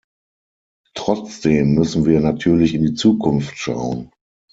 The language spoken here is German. Trotzdem müssen wir natürlich in die Zukunft schauen.